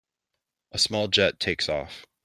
a small jet takes off.